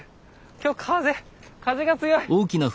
今日風風が強い。